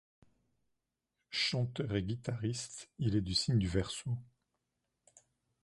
Chanteur et guitariste, il est du signe du Verseau.